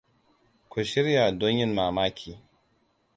Ku shirya don yin mamaki.